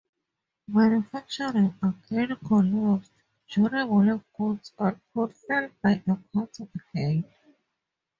Manufacturing again collapsed - durable goods output fell by a quarter again.